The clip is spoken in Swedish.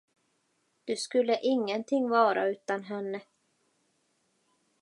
Du skulle ingenting vara utan henne.